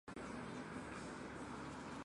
滇西绿绒蒿为罂粟科绿绒蒿属下的一个种。